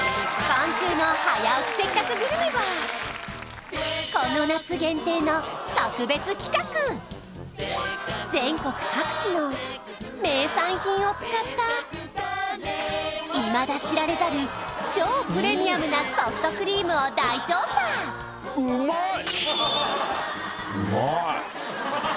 今週の「早起きせっかくグルメ！！」はこの夏限定の特別企画全国各地の名産品を使ったいまだ知られざる超プレミアムなソフトクリームを大調査うまい！